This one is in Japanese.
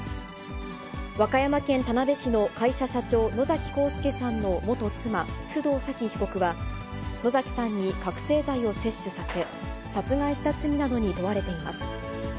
和歌山県田辺市の会社社長、野崎幸助さんの元妻、須藤早貴被告は、野崎さんに覚醒剤を摂取させ、殺害した罪などに問われています。